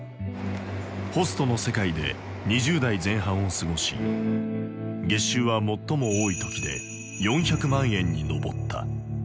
ホストの世界で２０代前半を過ごし月収は最も多いときで４００万円に上った。